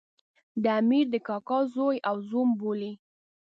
د امیر د کاکا زوی او زوم بولي.